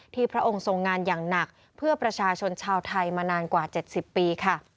พระองค์ทรงงานอย่างหนักเพื่อประชาชนชาวไทยมานานกว่า๗๐ปีค่ะ